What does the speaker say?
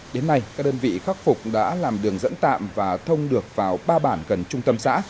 đến nay các đơn vị khắc phục đã làm đường dẫn tạm và thông được vào ba bản gần trung tâm xã